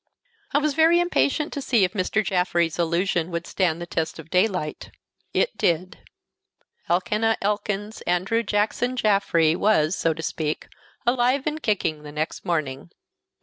I was very impatient to see if Mr. Jaffrey's illusion would stand the test of daylight. It did. Elkanah Elkins Andrew Jackson Jaffrey was, so to speak, alive and kicking the next morning.